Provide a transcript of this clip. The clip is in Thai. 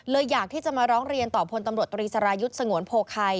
อยากที่จะมาร้องเรียนต่อพลตำรวจตรีสรายุทธ์สงวนโพไข่